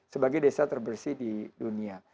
sebagai desa terbersih di dunia